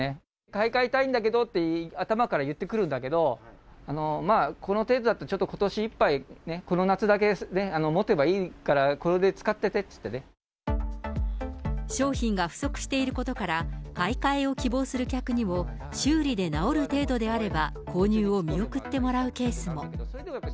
買い替えたいんだけどって、頭から言ってくるんだけど、この程度だったら、ちょっとことしいっぱい、この夏だけもてばいいから、商品が不足していることから、買い替えを希望する客にも、修理で治る程度であれば購入を見送ってもらうケースも。